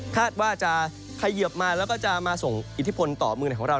คาดว่าจะเขยิบมาแล้วก็จะมาส่งอิทธิพลต่อเมืองไหนของเรา